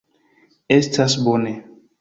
Estas bone!